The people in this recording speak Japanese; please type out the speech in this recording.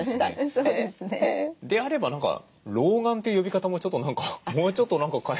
であれば何か老眼という呼び方もちょっと何かもうちょっと何か。